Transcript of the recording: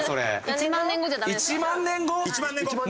１万年後？